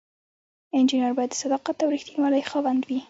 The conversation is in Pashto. انجینر باید د صداقت او ریښتینولی خاوند وي.